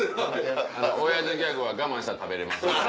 親父ギャグは我慢したら食べれます。